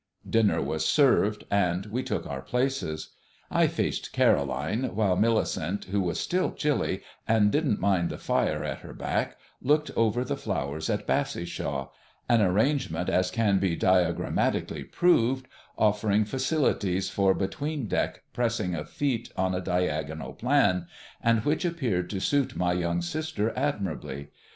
Dinner was served, and we took our places. I faced Caroline, while Millicent, who was still chilly, and didn't mind the fire at her back, looked over the flowers at Bassishaw; an arrangement as can be diagrammatically proved, offering facilities for between deck pressing of feet on a diagonal plan, and which appeared to suit my young sister admirably.